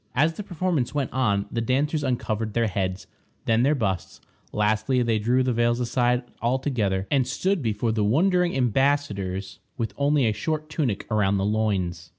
As the performance went on, the dancers uncovered their heads, then their busts; lastly, they threw the veils aside altogether, and stood before the wondering embassadors with only a short tunic around the loins.